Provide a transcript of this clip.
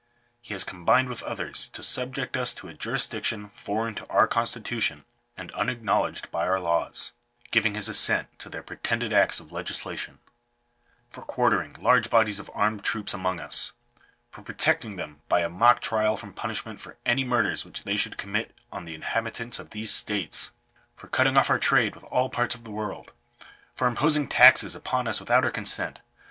He has combined with others to subject us to a jurisdic tion foreign to our constitution and unacknowledged by our laws ; giving his assent to their pretended acts of legislation: —" For quartering large bodies of armed troops among us. " For protecting them by a mock trial from punishment for any murders which they should commit on the inhabitants of these states. " For cutting off our trade with all parts of the world. " For imposing taxes upon us without our consent.